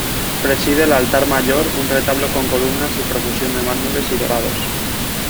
Preside el altar mayor un retablo con columnas y profusión de mármoles y dorados.